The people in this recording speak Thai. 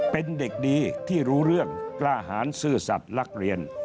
เป็นเด็กดีที่รู้เรื่องกล้าหารซื่อสัตว์ลักเรียน